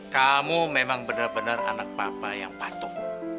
kamu memang benar benar anak papa yang patuh